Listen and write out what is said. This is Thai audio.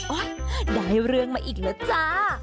ได้เรื่องมาอีกแล้วจ้า